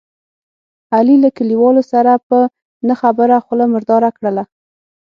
علي له کلیوالو سره په نه خبره خوله مرداره کړله.